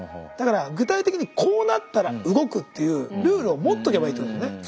だから具体的にこうなったら動くっていうルールを持っとけばいいってことだよね。